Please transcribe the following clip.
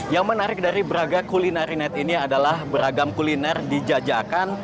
yang menarik dari braga kuliner inat ini adalah beragam kuliner dijajakan